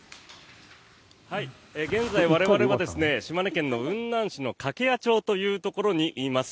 現在、我々は島根県の雲南市の掛合町というところにいます。